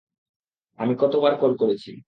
আমি কতবার কল করেছি?